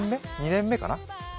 ２年目かな。